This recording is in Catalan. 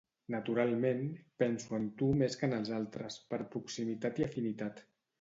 Naturalment, penso en tu més que en els altres, per proximitat i afinitat.